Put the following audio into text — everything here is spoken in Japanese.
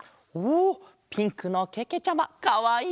おおピンクのけけちゃまかわいい！